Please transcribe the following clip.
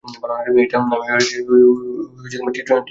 এটি নামিবিয়ার হয়ে প্রথম টি-টোয়েন্টি ম্যাচ ছিল।